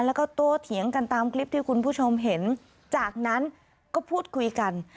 แล้วก็โตเถียงกันตามคลิปที่คุณผู้ชมเห็นจากนั้นก็พูดคุยกัน